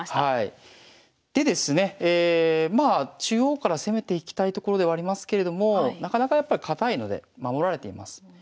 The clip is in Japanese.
中央から攻めていきたいところではありますけれどもなかなかやっぱ堅いので守られています。